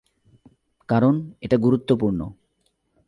কারণ এটা গুরুত্বপূর্ণ।